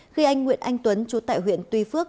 khi anh nguyễn anh tuấn chú tại huyện tuy phước